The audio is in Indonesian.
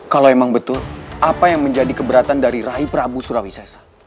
kalau emang betul apa yang menjadi keberatan dari rahi prabu surawi sesa